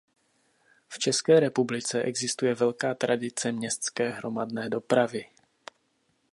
V České republice existuje velká tradice městské hromadné dopravy.